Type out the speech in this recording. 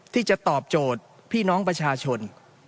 ที่จะตอบโจทย์พี่น้องประชาชน